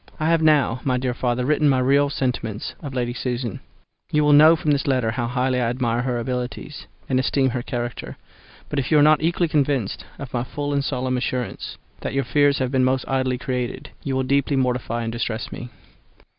I have now, my dear father, written my real sentiments of Lady Susan; you will know from this letter how highly I admire her abilities, and esteem her character; but if you are not equally convinced by my full and solemn assurance that your fears have been most idly created, you will deeply mortify and distress me.